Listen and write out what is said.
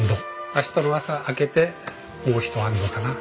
明日の朝開けてもうひと安堵かな。